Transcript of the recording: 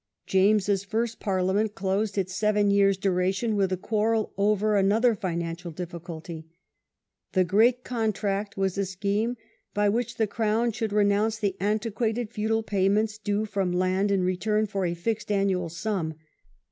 James's first Parliament closed its seven years' duration with a quarrel over another financial diffi culty. The "Great Contract" was a scheme by which the crown should renounce the antiquated feudal pay ments due from land in return for a fixed annual sum.